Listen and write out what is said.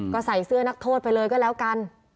ก็ใส่เสื้อนักโทษไปเลยก็แล้วกัน